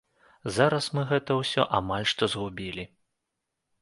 Зараз мы гэта ўсё амаль што згубілі.